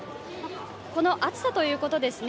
この暑さということですね